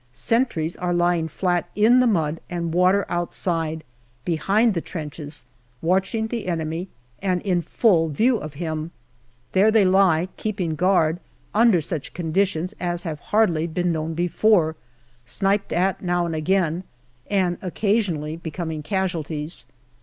Sentries are lying flat in the mud and water outside, behind the trenches, watching the enemy and in full view of him. There they lie, keeping guard under such conditions as have hardly been known before, sniped at now and again, and occasionally becoming casualties.